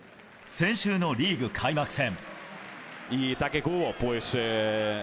先週のリーグ開幕戦。